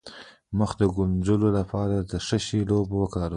د مخ د ګونځو لپاره د څه شي اوبه وکاروم؟